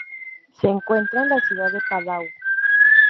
Se encuentra en la ciudad de Padua.